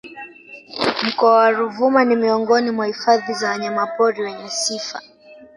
Mkoa wa Ruvuma ni Miongoni mwa hifadhi za Wanyama pori wenye sifa